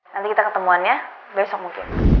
nanti kita ketemuannya besok mungkin